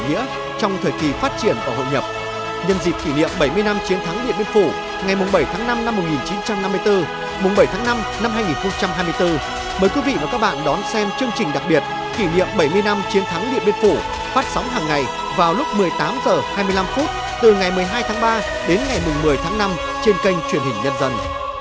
vào lúc một mươi tám h hai mươi năm phút từ ngày một mươi hai tháng ba đến ngày một mươi tháng năm trên kênh truyền hình nhân dân